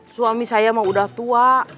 suami saya mau udah tua